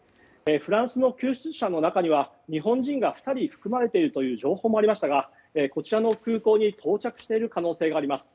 フランスの救出者の中には日本人が２人含まれているという情報もありましたが、こちらの空港に到着している可能性があります。